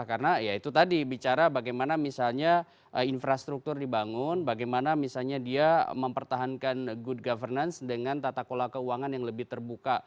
karena ya itu tadi bicara bagaimana misalnya infrastruktur dibangun bagaimana misalnya dia mempertahankan good governance dengan tata kola keuangan yang lebih terbuka